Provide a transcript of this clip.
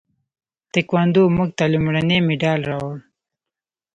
تکواندو موږ ته لومړنی مډال راوړ.